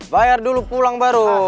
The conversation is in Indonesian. bayar dulu pulang baru